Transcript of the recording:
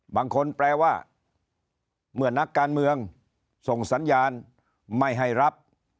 แปลว่าเมื่อนักการเมืองส่งสัญญาณไม่ให้รับ